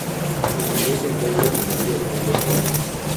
El vídeo se encuentra dividido en dos partes.